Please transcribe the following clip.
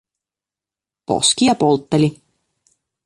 Poskia poltteli.